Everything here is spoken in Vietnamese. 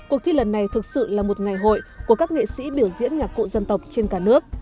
cuộc thi lần này thực sự là một ngày hội của các nghệ sĩ biểu diễn nhạc cụ dân tộc trên cả nước